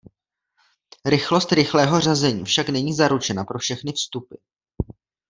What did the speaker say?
Rychlost rychlého řazení však není zaručena pro všechny vstupy.